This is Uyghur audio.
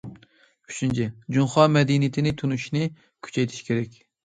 ئۈچىنچى، جۇڭخۇا مەدەنىيىتىنى تونۇشنى كۈچەيتىش كېرەك.